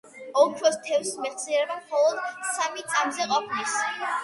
ოქროს თევზს მეხსიერება მხოლოდ სამი წამზე ჰყოფნის